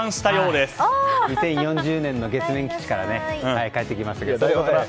２０４０年の月面基地から帰ってきました。